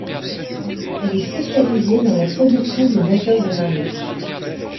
Elle est spécialisée dans la production de moteurs de marine.